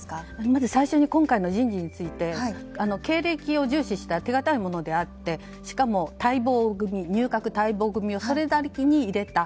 まず最初に今回の人事について経歴を重視した手堅いものであってしかも入閣待望組をそれなりに入れた。